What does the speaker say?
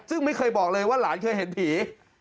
ซึ่งไม่เคยบอกเลยว่าหลานเคยเห็นผี